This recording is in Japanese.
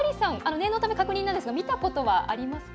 念のため確認なんですが見たことはありますか？